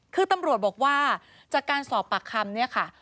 คือตำรวจบอกว่าจากการสอบปากคำเนี่ยค่ะ